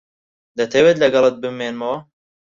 دەتەوێت لەگەڵت بمێنمەوە؟